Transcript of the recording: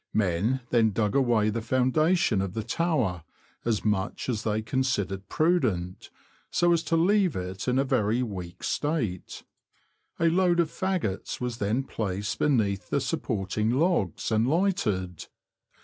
Men then dug away the foundation of the tower, as much as they considered prudent, so as to leave it in a very weak state. A load of faggots was then placed beneath the supporting logs, and lighted.